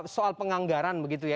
soal penganggaran begitu ya